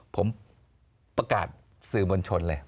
ผมประกาศสื่อมวลชนเลย